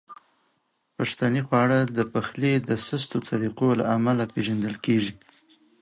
پښتني خواړه د پخلي د سستو طریقو له امله پیژندل کیږي.